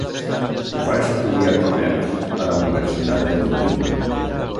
Va estudiar comerç a la Universitat de Dublín.